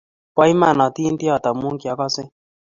bo iman atindiot amu kiaakasei